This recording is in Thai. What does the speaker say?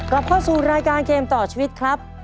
กลับเข้าสู่รายการเกมต่อชีวิตครับ